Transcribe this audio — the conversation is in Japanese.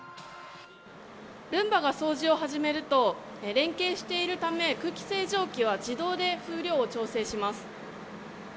ルンバが掃除を始めると連携しているため空気清浄機は自動で風量を調整します。